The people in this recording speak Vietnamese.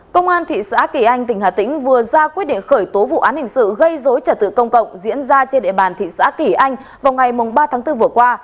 công an thị xã kỳ anh tỉnh hà tĩnh vừa ra quyết định khởi tố vụ án hình sự gây dối trả tự công cộng diễn ra trên địa bàn thị xã kỳ anh vào ngày ba tháng bốn vừa qua